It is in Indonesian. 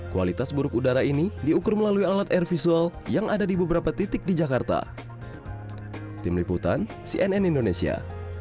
kualitas buruk udara ini diukur melalui alat air visual yang ada di beberapa titik di jakarta